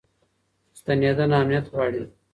ستنېدنه امنیت غواړي.